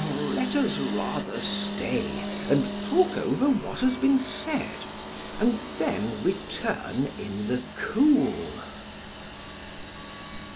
Let us rather stay and talk over what has been said, and then return in the cool.